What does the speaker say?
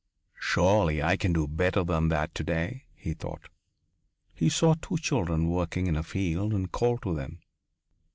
"Surely I can do better than that to day," he thought. He saw two children working in a field, and called to them.